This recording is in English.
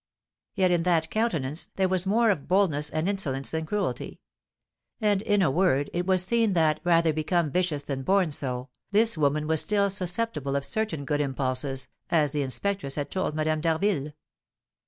Yet in that countenance there was more of boldness and insolence than cruelty; and, in a word, it was seen that, rather become vicious than born so, this woman was still susceptible of certain good impulses, as the inspectress had told Madame d'Harville.